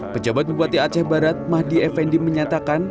pejabat bupati aceh barat mahdi effendi menyatakan